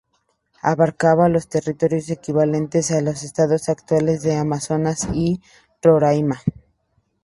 Abarcaba los territorios equivalentes a los estados actuales del Amazonas y de Roraima.